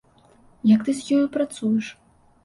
Як ты з ёю працуеш?